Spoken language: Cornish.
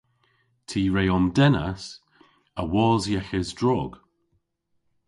Ty re omdennas awos yeghes drog.